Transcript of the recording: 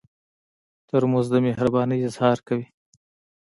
ترموز د مهربانۍ اظهار کوي.